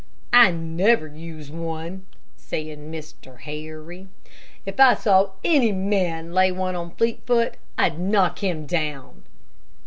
"I never use one," said Mr. Harry; "if I saw any man lay one on Fleetfoot, I'd knock him down."